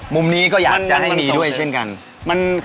มุมนี้ก็อยากจะให้มีด้วยเช่นกัน